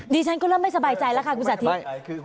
ฉันก็เริ่มไม่สบายใจแล้วค่ะคุณสาธิต